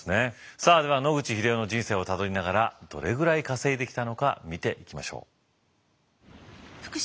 さあでは野口英世の人生をたどりながらどれぐらい稼いできたのか見ていきましょう。